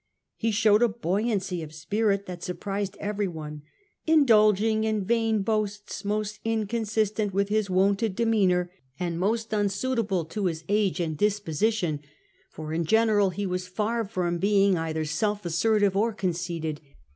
He showed a buoyancy of spirit that surprised every one, ''indulging in vain boasts most inconsistent witd his wonted demeanour, and most unsuitable to his age CRASSUS GOES TO SYRIA 19S and his disposition — for in general he was far from being either self assertive or conceited.